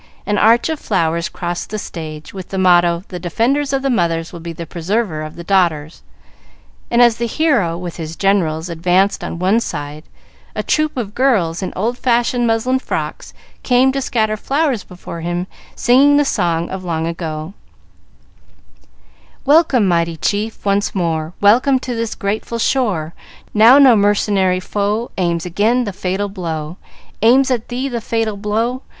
An arch of flowers crossed the stage, with the motto, "The Defender of the Mothers will be the Preserver of the Daughters;" and, as the hero with his generals advanced on one side, a troop of girls, in old fashioned muslin frocks, came to scatter flowers before him, singing the song of long ago: "Welcome, mighty chief, once more Welcome to this grateful shore; Now no mercenary foe Aims again the fatal blow, Aims at thee the fatal blow.